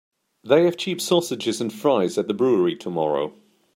They have cheap sausages and fries at the brewery tomorrow.